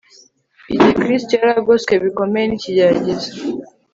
Igihe Kristo yari agoswe bikomeye nikigeragezo